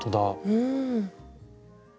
うん。